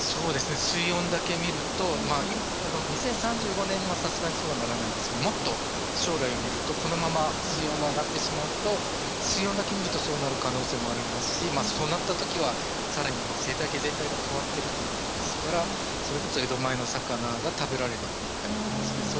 水温だけ見ると２０３５年には、さすがにそうはならないんですけどもっと将来を見るとこのまま水温が上がってしまうと水温だけ見るとそうなる可能性もありますしそうなったときはさらに生態系全体が変わってるということですからそれこそ江戸前の魚が食べられなくなったりとかですね。